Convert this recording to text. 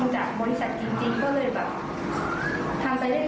เฮ้ยได้จริงหรือเปล่าเดี๋ยวแรกก็โอนเงิน๑๐๐๐บาทไปโกรธแล้วทีนี้มันได้จริง